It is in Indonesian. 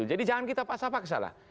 jadi jangan kita paksa paksa lah